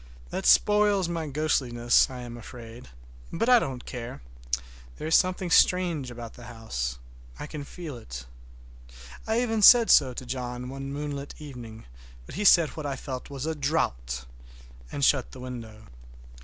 That spoils my ghostliness, I am afraid; but I don't care—there is something strange about the house—I can feel it. I even said so to John one moonlight evening, but he said what I felt was a draught, and shut the window.